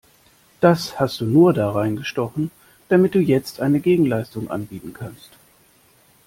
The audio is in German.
Das hast du nur da reingestochen, damit du jetzt eine Gegenleistung anbieten kannst!